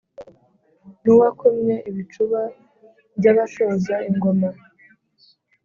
n’uwakomye ibicuba by’abashoza ingoma,